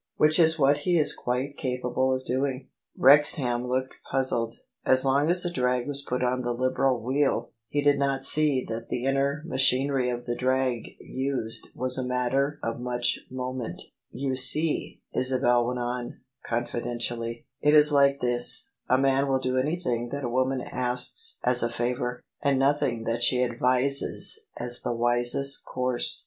Which is what he is quite capable of doing." Wrexham looked puzzled. As long as a drag was put on the Liberal wheel, he did not see that the inner machinery of the drag used was a matter of much moment " You see," Isabel went on confidentially, " it is like this : a man will do anything that a woman asks as a favour, and nothing that she advises as the wisest course.